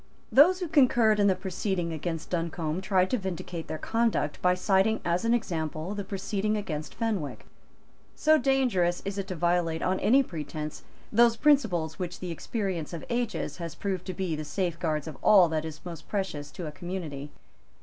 Those who concurred in the proceeding against Duncombe tried to vindicate their conduct by citing as an example the proceeding against Fenwick. So dangerous is it to violate, on any pretence, those principles which the experience of ages has proved to be the safeguards of all that is most precious to a community.